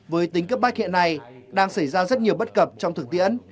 với tính cấp bách hiện nay đang xảy ra rất nhiều bất cập trong thực tiễn